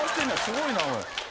すごいなおい。